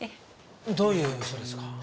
どういう人ですか？